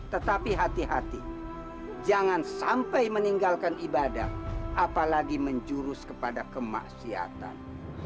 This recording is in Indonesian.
tetapi hati hati jangan sampai meninggalkan ibadah apalagi menjurus kepada kemaksiatan